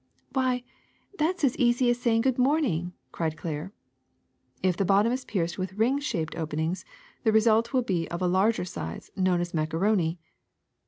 <<Why, that ^s as easy as saying good morning!'* cried Claire. ^^If the bottom is pierced w^ith ring shaped open ings, the result will be of a larger size and known as macaroni.